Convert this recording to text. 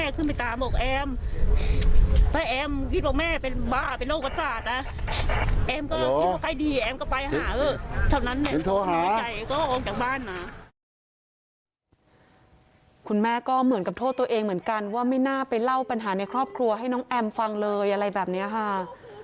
คุณแม่ก็เหมือนกับโทษตัวเองเหมือนกันว่าไม่น่าไปเล่าปัญหาในครอบครัวให้น้องแอมฟังเลยอะไรแบบนี้ค่ะ